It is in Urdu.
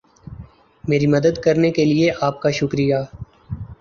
میری مدد کرنے کے لئے آپ کا شکریہ